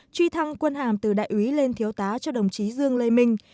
truy thăng quân hàm từ đại úy lên thiếu tá cho đồng chí dương lê minh